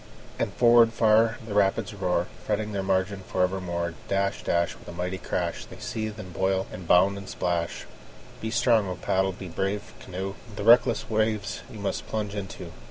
And forward far the rapids roar, Fretting their margin for evermore. Dash, dash, With a mighty crash, They seethe, and boil, and bound, and splash. Be strong, O paddle! be brave, canoe! The reckless waves you must plunge into.